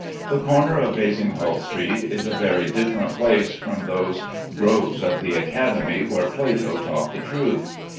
The corner of Basinghall Street is a very different place from those "groves of the Academy where Plato taught the truth."